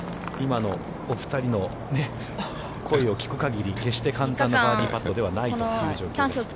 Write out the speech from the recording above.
今のお二人の声を聞く限り、決して簡単なパットではないという状況です。